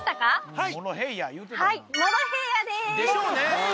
はいはいモロヘイヤです